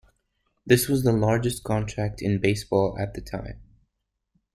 This was the largest contract in baseball at the time.